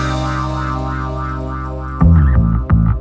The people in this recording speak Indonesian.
yang estreg skoknya itu bagaimana ya pas penelitiannya ya